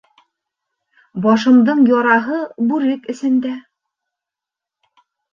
Башымдың яраһы бүрек эсендә.